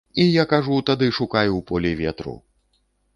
І я кажу, тады шукай у полі ветру.